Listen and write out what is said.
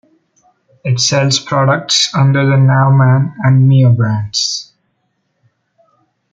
It sells products under the "Navman" and "Mio" brands.